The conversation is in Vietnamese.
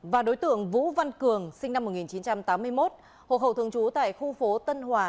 và đối tượng vũ văn cường sinh năm một nghìn chín trăm tám mươi một hộ khẩu thường trú tại khu phố tân hòa